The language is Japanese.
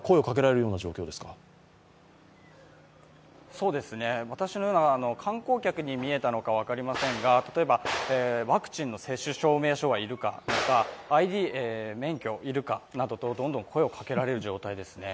そうですね、私のような観光客に見えたのか分かりませんが例えばワクチンの接種証明書は要るかとか、ＩＤ、免許は要るか？などとどんどん声をかけられる状態ですね。